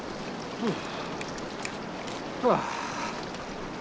うん。